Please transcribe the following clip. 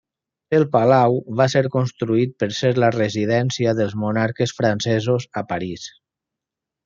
El palau va ser construït per ser la residència dels monarques francesos a París.